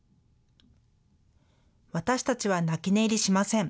私たちは泣き寝入りしません。